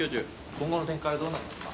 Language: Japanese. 今後の展開はどうなりますか？